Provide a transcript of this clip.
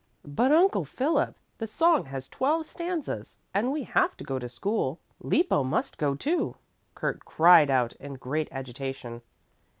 "But, Uncle Philip, the song has twelve stanzas, and we have to go to school. Lippo must go, too," Kurt cried out in great agitation.